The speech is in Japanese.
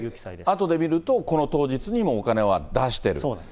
あとで見ると、この当日にお金は出してる。